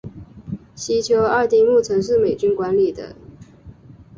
西丘二丁目曾是美军管理的。